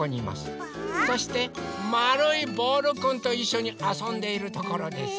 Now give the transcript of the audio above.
そしてまるいボールくんといっしょにあそんでいるところです。